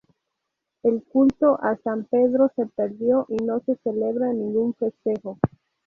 El culto a San Pedro se perdió, y no se celebra ningún festejo.